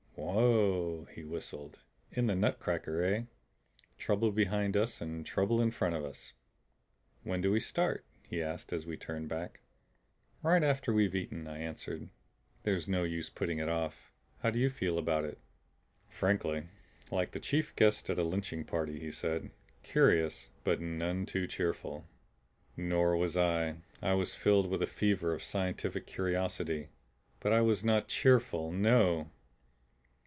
"Whew w!" he whistled. "In the nutcracker, eh? Trouble behind us and trouble in front of us." "When do we start?" he asked, as we turned back. "Right after we've eaten," I answered. "There's no use putting it off. How do you feel about it?" "Frankly, like the chief guest at a lynching party," he said. "Curious but none too cheerful." Nor was I. I was filled with a fever of scientific curiosity. But I was not cheerful no!